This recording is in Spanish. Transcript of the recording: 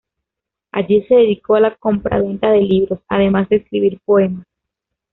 Allí se dedicó a la compraventa de libros, además de escribir poemas.